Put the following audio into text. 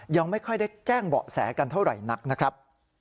ยังไม่ค่อยได้แจ้งเบาะแสกันเท่าไหร่นักนะครับ